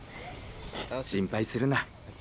心配するな。